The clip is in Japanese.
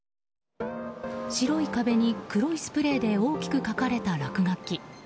白い壁に、黒いスプレーで大きく書かれた落書き。